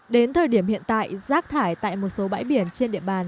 đến thời điểm hiện tại rác thải tại một số bãi biển trên địa bàn